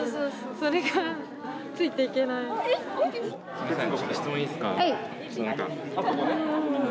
すいません。